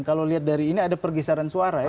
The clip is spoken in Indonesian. kalau lihat dari ini ada pergeseran suara ya